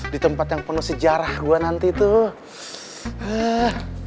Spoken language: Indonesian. di tempat yang penuh sejarah gue nanti tuh